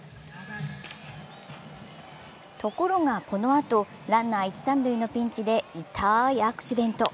ところが、このあとランナー一・三塁のピンチで痛いアクシデント。